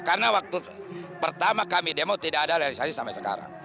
karena waktu pertama kami demo tidak ada realisasi sampai sekarang